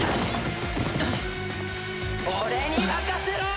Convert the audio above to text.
俺に任せろ！